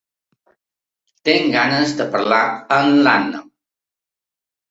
Tinc ganes de parlar amb l'Anna.